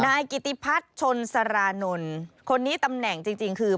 นายกิติพัฒน์ชนสารานนท์คนนี้ตำแหน่งจริงคือ